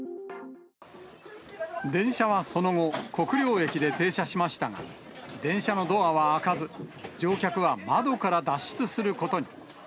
電車はその後、国領駅で停車しましたが、電車のドアは開かず、乗客は窓から脱出することに。